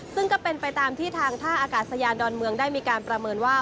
ซึ่งก็เป็นไปตามที่ทางท่าอากาศยานดอนเมืองได้มีการประเมินว่า